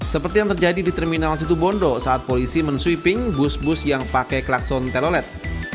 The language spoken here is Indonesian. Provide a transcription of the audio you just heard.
seperti yang terjadi di terminal situ bondo saat polisi mensweeping bus bus yang pakai klakson telolet